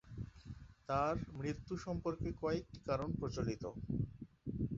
তার মৃত্যু সম্পর্কে কয়েকটি কারণ প্রচোলিত।